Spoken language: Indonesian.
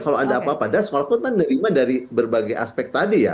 kalau ada apa apa dah sekolah itu ntar nerima dari berbagai aspek tadi ya